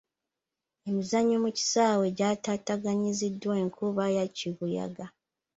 Emizannyo mu kisaawe gyataataaganyiziddwa enkuba ya kibuyaga.